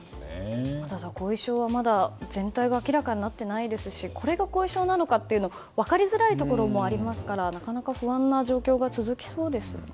ただ、後遺症はまだ全体が明らかになっていないですしこれが後遺症なのかと分かりづらいところもありますしなかなか不安な状況が続きそうですね。